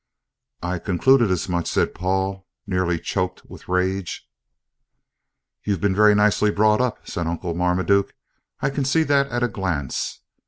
"I I concluded as much," said Paul, nearly choked with rage. "You've been very nicely brought up," said Uncle Marmaduke, "I can see that at a glance.